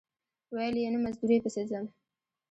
ویل یې نه مزدورۍ پسې ځم.